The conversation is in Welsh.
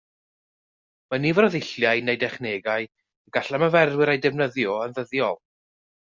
Mae nifer o ddulliau neu dechnegau y gall ymarferwyr eu defnyddio yn ddyddiol